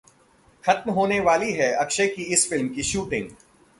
खत्म होने वाली है अक्षय की इस फिल्म की शूटिंग